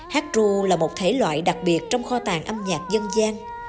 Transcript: hát ru là một thể loại đặc biệt trong kho tàng âm nhạc dân gian